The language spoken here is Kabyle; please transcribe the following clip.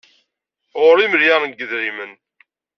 Ɣur-i imelyaren n yidularen.